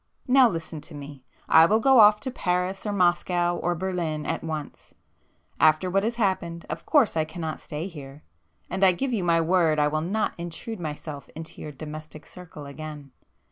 Now listen to me. I will go off to Paris or Moscow or Berlin at once,—after what has happened, of course I cannot stay here,—and I give you my word I will not intrude myself into your domestic circle again.